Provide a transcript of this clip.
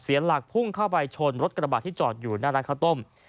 หลักพุ่งเข้าไปชนรถกระบาดที่จอดอยู่หน้าร้านข้าวต้ม